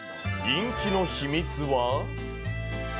人気の秘密は？